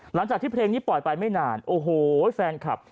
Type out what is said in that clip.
หลังจากที่เพลงนี้ปล่อยไปไม่นานโอ้โหแฟนคลับ